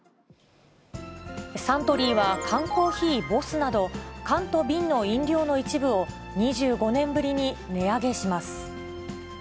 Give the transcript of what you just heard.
サントリーは、缶コーヒー、ＢＯＳＳなど、缶と瓶の飲料の一部を、２５年ぶりに値上げします。